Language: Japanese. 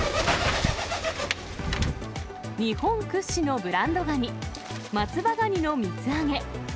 日本屈指のブランドガニ、松葉ガニの水揚げ。